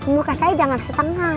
muka saya jangan setengah